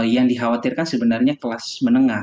yang dikhawatirkan sebenarnya kelas menengah